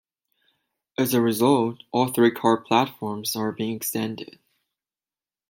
As a result, all three-car platforms are being extended.